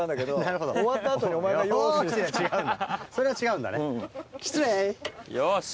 それは違うんだね。